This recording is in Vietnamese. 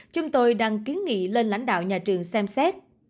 chúng tôi đăng kiến nghị lên lãnh đạo nhà trường xem xét